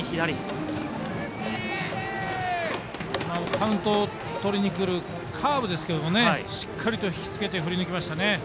カウント取りにくるカーブですけどしっかりとひきつけて振りぬきましたね。